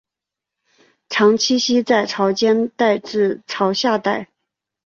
常栖息在潮间带至潮下带。